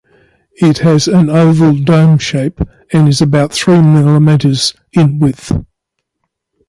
It has an oval dome shape and is about three millimetres in width.